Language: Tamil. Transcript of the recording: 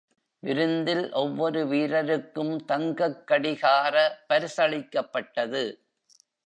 விருந்தில், ஒவ்வொரு வீரருக்கும் தங்கக் கடிகார பரிசளிக்கப்பட்டது.